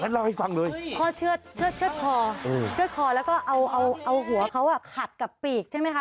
เล่าให้ฟังเลยพ่อเชื่อดคอเชื่อดคอแล้วก็เอาหัวเขาขัดกับปีกใช่ไหมคะ